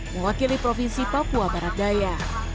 mewakili provinsi papua barat daya